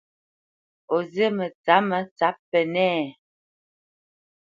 O zí mətsǎpmə tsǎp Pənɛ́a a ?